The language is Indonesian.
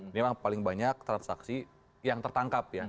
ini memang paling banyak transaksi yang tertangkap ya